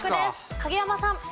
影山さん。